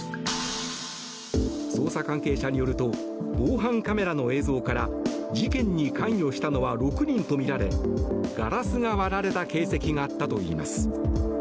捜査関係者によると防犯カメラの映像から事件に関与したのは６人とみられガラスが割られた形跡があったといいます。